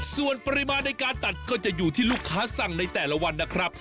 ส่วนปริมาณในการตัดก็จะอยู่ที่ลูกค้าสั่งในแต่ละวันนะครับ